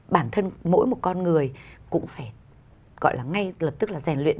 bản thân mỗi một con người cũng phải gọi là ngay lập tức là rèn luyện